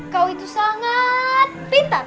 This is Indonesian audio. kau itu sangat pintar